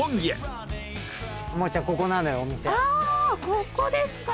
ここですか。